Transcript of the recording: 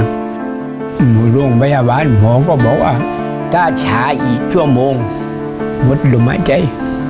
มีเรื่องบรรยาบาลหมองก็บอกว่าถ้าชายอีกชั่วโมงมดหลุมไม่ได้